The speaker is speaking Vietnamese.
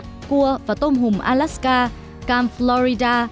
thịt bò tôm hùm alaska cam florida